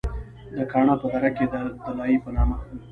د کاڼا پۀ دره کښې د “دلائي” پۀ نامه